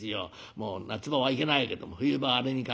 もう夏場はいけないけども冬場はあれに限る。